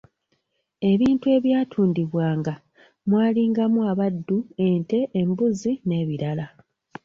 "Ebintu ebyatundibwanga mwalingamu abaddu, ente, embuzi n’ebirala."